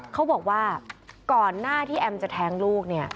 เขาบอกว่าก่อนหน้าที่แอมม์จะแท้งลูก